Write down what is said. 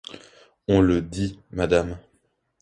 On le dit, madame.